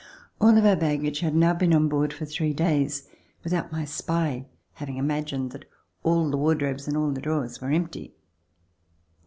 All of our baggage had now been on board for three days, without my spy having imagined that all the wardrobes and all the drawers were empty.